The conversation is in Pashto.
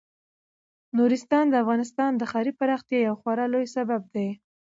نورستان د افغانستان د ښاري پراختیا یو خورا لوی سبب دی.